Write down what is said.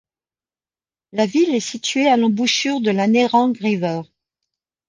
La ville est située à l'embouchure de la Nerang River.